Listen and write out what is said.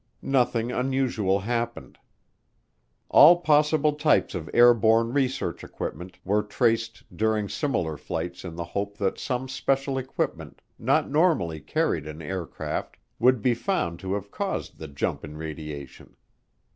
Nothing unusual happened. All possible types of airborne research equipment were traced during similar flights in the hope that some special equipment not normally carried in aircraft would be found to have caused the jump in radiation.